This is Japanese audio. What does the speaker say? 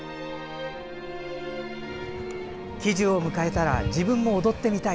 喜寿を迎えたら自分も踊ってみたい。